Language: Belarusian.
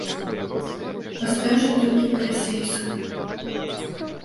Пасля ўжо толькі па-расейску.